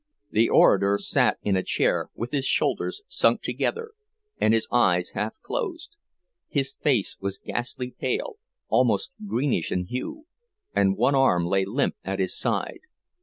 The orator sat in a chair, with his shoulders sunk together and his eyes half closed; his face was ghastly pale, almost greenish in hue, and one arm lay limp at his side.